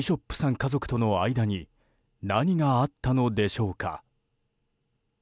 家族との間に何があったのでしょうか。